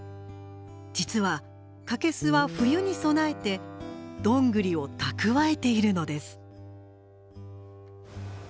実はカケスは冬に備えてドングリを蓄えているのです。